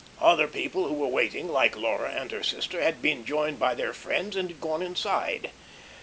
Other people who were waiting like Laura and her sister had been joined by their friends and had gone inside.